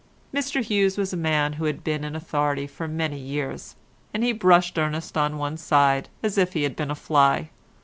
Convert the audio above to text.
Mr Hughes was a man who had been in authority for many years, and he brushed Ernest on one side as if he had been a fly.